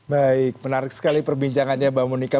baik menarik sekali perbincangannya mbak monika